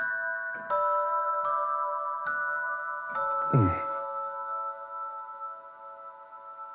うん。